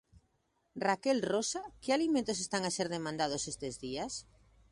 Raquel Rosa, que alimentos están a ser demandados estes días?